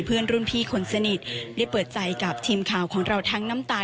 เพื่อนรุ่นพี่คนสนิทได้เปิดใจกับทีมข่าวของเราทั้งน้ำตา